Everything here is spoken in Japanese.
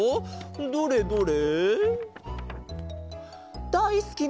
どれどれ？